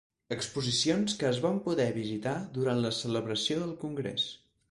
Exposicions que es van poder visitar durant la celebració del congrés.